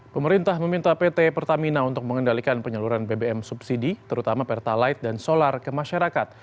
pemerintah meminta pt pertamina untuk mengendalikan penyaluran bbm subsidi terutama pertalite dan solar ke masyarakat